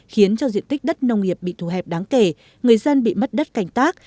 khiến cho diện tích đất nông nghiệp bị thu hẹp đáng kể người dân bị mất đất canh tác